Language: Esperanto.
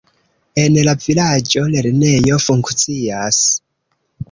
En la vilaĝo lernejo funkcias.